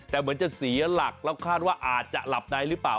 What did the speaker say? แต่เหมือนจะเสียหลักแล้วคาดว่าอาจจะหลับในหรือเปล่า